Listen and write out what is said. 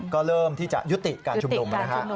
ก็เริ่มที่จะยุติการชุมนุมนะฮะ